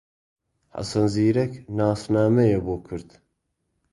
حەسەن زیرەک ناسنامەیە بۆ کورد